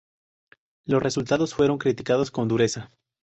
Los resultados fueron criticados con dureza.